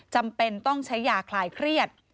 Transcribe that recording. จำเป็นต้องใช้ยาคลายเครียด